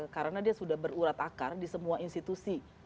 karena dia sudah berurat akar di semua institusi